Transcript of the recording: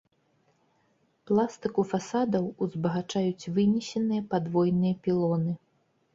Пластыку фасадаў узбагачаюць вынесеныя падвойныя пілоны.